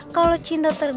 kalo cinta tersebut